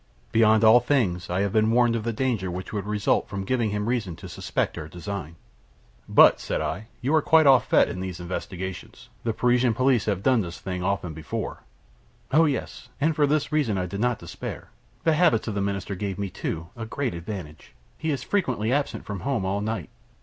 Beyond all things, I have been warned of the danger which would result from giving him reason to suspect our design." "But," said I, "you are quite au fait in these investigations. The Parisian police have done this thing often before." "Oh yes, and for this reason I did not despair. The habits of the Minister gave me, too, a great advantage. He is frequently absent from home all night.